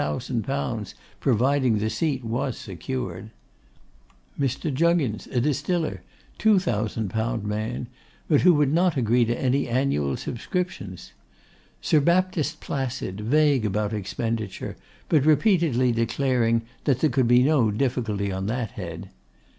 _ provided the seat was secured. Mr. Juggins, a distiller, 2000_l._ man; but would not agree to any annual subscriptions. Sir Baptist Placid, vague about expenditure, but repeatedly declaring that 'there could be no difficulty on that head.